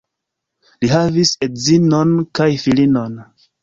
Li havis edzinon kaj filinon.